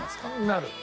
なる。